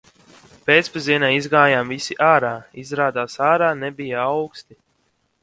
Pēcpusdienā izgājām visi ārā. Izrādās ārā nebija auksti.